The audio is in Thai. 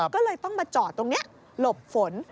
ก็เลยต้องมาจอดตรงนี้หลบฝน